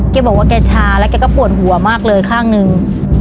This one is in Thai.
เค้าบอกว่าเค้าช้าแล้วเค้าก็ปวดหัวมากเลยข้างหนึ่ง